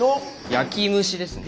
焼き蒸しですね。